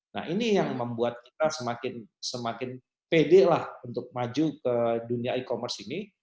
nah ini yang membuat kita semakin pede lah untuk maju ke dunia e commerce ini